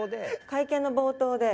会見の冒頭で。